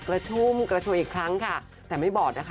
เดี๋ยวก็ช้อกันช่วยอีกครั้งค่ะแต่ไม่บอก